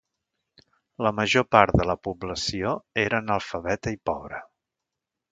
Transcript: La major part de la població era analfabeta i pobra.